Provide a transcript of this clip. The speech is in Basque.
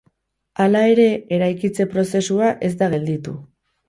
Hala ere, eraikitze prozesua ez da gelditu.